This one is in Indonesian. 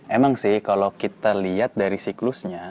emang sih kalau kita lihat dari siklusnya